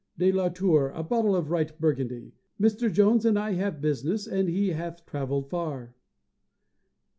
De la Tour, a bottle of right Burgundy; Mr. Jones and I have business, and he hath travelled far."